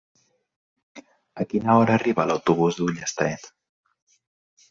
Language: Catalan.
A quina hora arriba l'autobús d'Ullastret?